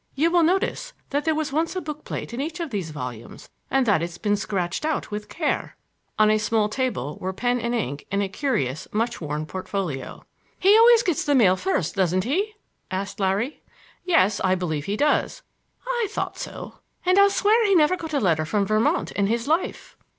You will notice that there was once a book plate in each of these volumes and that it's been scratched out with care." On a small table were pen and ink and a curious much worn portfolio. "He always gets the mail first, doesn't he?" asked Larry. "Yes, I believe he does." "I thought so; and I'll swear he never got a letter from Vermont in his life."